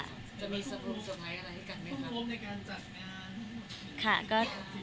จะมีสังหรับสบายอะไรให้กันไหมคะ